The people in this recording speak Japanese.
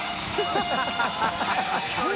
ハハハ